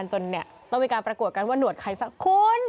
จนต้องมีการประกวดกันว่าหนวดใครสักคน